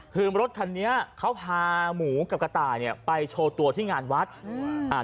คือรถคันนี้เค้าพาหมูกับกระต่ายไปโชว์ตัวที่งานวัฒน์